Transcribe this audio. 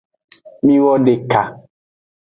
Miwodeka.